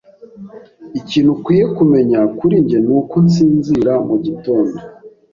Ikintu ukwiye kumenya kuri njye nuko nsinzira mugitondo.